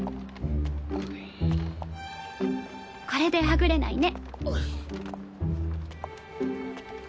これではぐれないね。